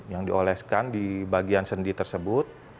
yang dioleskan di bagian sendi tersebut